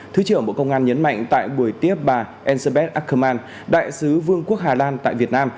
thứ trưởng bộ công an nhấn mạnh tại buổi tiếp bà elisabeth ackermann đại sứ vương quốc hải lan tại việt nam